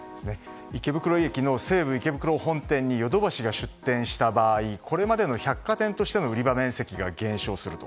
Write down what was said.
池袋駅の西武池袋本店にヨドバシが出店した場合これまでの百貨店としての売り場面積が減少すると。